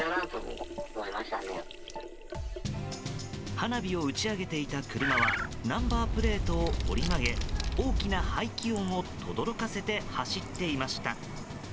花火を打ち上げていた車はナンバープレートを折り曲げ大きな排気音を轟かせて走っていました。